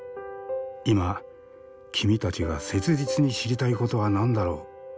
今君たちが切実に知りたいことは何だろう？